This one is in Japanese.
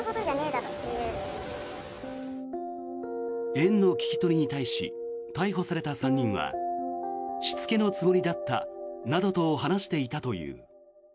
園の聞き取りに対し逮捕された３人はしつけのつもりだったなどと話していたという。